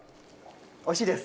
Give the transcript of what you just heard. おいしいです。